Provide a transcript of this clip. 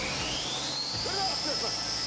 それでは発表します。